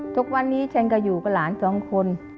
ทุกวันนี้ฉันก็อยู่กับหลานสองคน